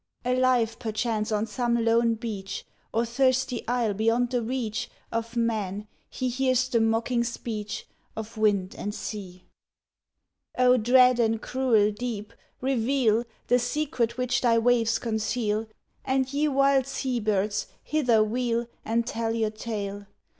Alive, perchance, on some lone beach Or thirsty isle beyond the reach Of man, he hears the mocking speech Of wind and sea. "O dread and cruel deep, reveal The secret which thy waves conceal, And, ye wild sea birds, hither wheel And tell your tale.